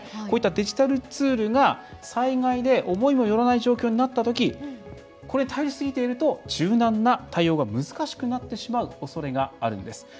こういったデジタルツールが災害で思いも寄らない状況になったときこれに頼りすぎていると柔軟な対応が難しくなってしまうおそれがあるんです。